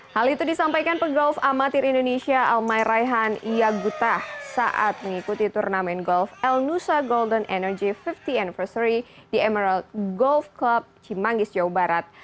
hal itu disampaikan pegolf amatir indonesia almai raihan iyagutah saat mengikuti turnamen golf el nusa golden energy lima puluh th anniversary di emerald golf club cimangis jawa barat